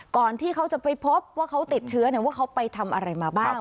ก่อนที่เขาจะไปพบว่าเขาติดเชื้อว่าเขาไปทำอะไรมาบ้าง